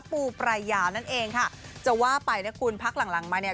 ปูปรายหยานั่นเองค่ะจะว่าไปเนื้อคุณพักหลังมาเนี่ย